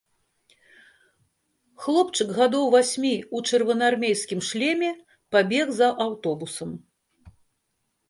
Хлопчык гадоў васьмі ў чырвонаармейскім шлеме пабег за аўтобусам.